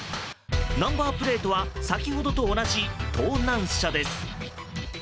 ナンバープレートは先ほどと同じ盗難車です。